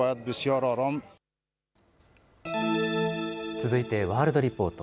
続いてワールドリポート。